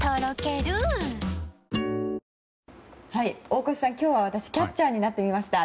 大越さん、今日は私キャッチャーになってみました。